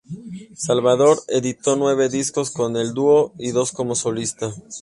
Salvador editó nueve discos con el Dúo y dos como solista.